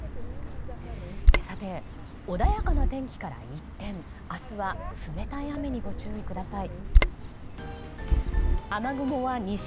穏やかな天気から一転明日は冷たい雨にご注意ください。